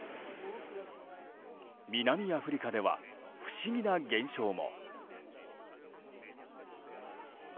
南アフリカでは不思議な現象も。